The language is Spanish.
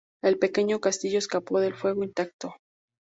El Pequeño Castillo escapó del fuego intacto.